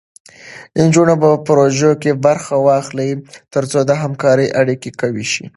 نجونې په پروژو کې برخه واخلي، تر څو د همکارۍ اړیکې قوي شي.